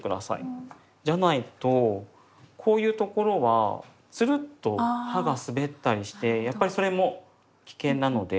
じゃないとこういうところはツルッと刃が滑ったりしてやっぱりそれも危険なので。